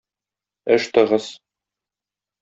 Эш тыгыз